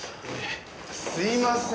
すいませーん。